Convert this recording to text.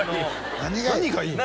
何がいいの？